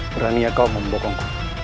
berani kau membokongku